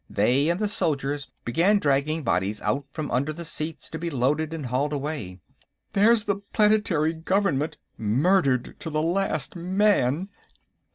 They and the soldiers began dragging bodies out from among the seats to be loaded and hauled away. "There's the planetary government, murdered to the last man!"